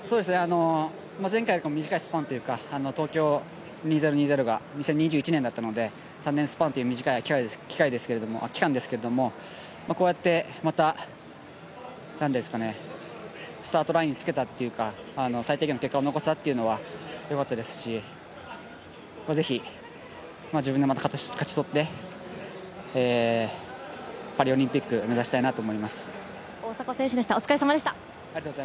前回より短いスパンというか東京２０２０が、２０２１年だったので、３年スパンという短い期間ですけれども、こうやってまた、スタートラインにつけたというか、最低限の結果を残せたのはよかったですし、是非、自分でまた勝ち取ってパリオリンピック目指したいなと思います。